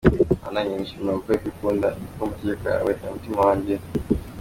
Mana yanjye nishimira gukora ibyo ukunda, Ni koko amategeko yawe ari mu mutima wanjye.”